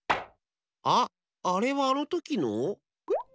あっあれはあのときの？